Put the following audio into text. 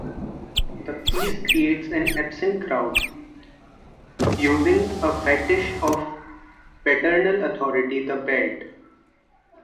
The piece creates an "absent crowd" using a fetish of paternal authority: the belt.